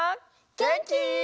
げんき？